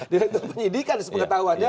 direktur penyidikan sepengetahuannya